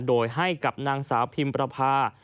โดยให้กับนางสาวพิมประพา